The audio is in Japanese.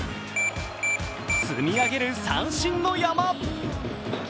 積み上げる三振の山。